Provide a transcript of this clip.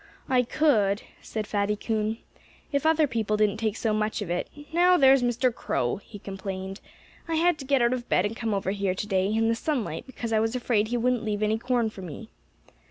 "I could," said Fatty Coon, "if other people didn't take so much of it.... Now, there's Mr. Crow," he complained. "I had to get out of bed and come over here to day, in the sunlight, because I was afraid he wouldn't leave any corn for me.